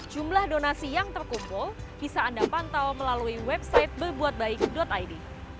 jumlah donasi yang terkumpul bisa anda pantau melalui website berbuatbaik id